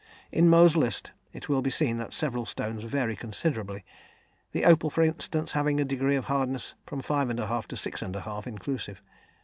In Mohs's list it will be seen that several stones vary considerably, the opal, for instance, having a degree of hardness from 5 1/2 to 6 1/2 inclusive.